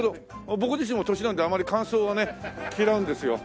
僕自身も年なんであまり乾燥はね嫌うんですよ。